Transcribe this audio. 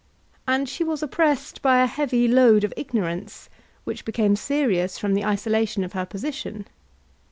And she was oppressed by a heavy load of ignorance, which became serious from the isolation of her position.